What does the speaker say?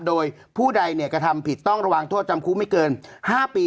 โดยผู้ใดกระทำผิดต้องระวังโทษจำคุกไม่เกิน๕ปี